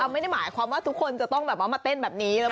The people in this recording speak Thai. ไม่ได้จำเป็นว่าทุกคนจะมาเต้นแบบนี้